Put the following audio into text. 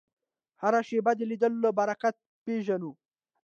هره شېبه د لیدلو له برکته پېژنو